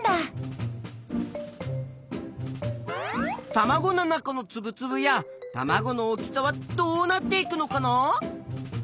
たまごの中のつぶつぶやたまごの大きさはどうなっていくのかな。